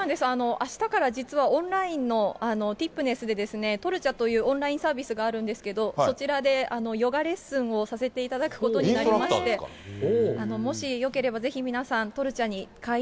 あしたから、実はオンラインのティップネスでトルチャというオンラインサービスがあるんですけれども、そちらで、ヨガレッスンをさせていただインストラクターですから。